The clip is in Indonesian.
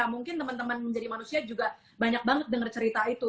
mungkin teman teman menjadi manusia juga banyak banget dengar cerita itu